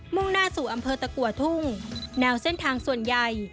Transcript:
่งหน้าสู่อำเภอตะกัวทุ่งแนวเส้นทางส่วนใหญ่